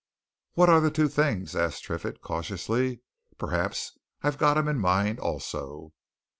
"What are the two things?" asked Triffitt, cautiously. "Perhaps I've got 'em in mind also."